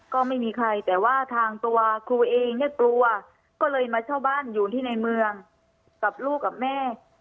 ก็ไม่มีใครแต่ว่าทางตัวครูเองเนี่ยกลัวก็เลยมาเช่าบ้านอยู่ที่ในเมืองกับลูกกับแม่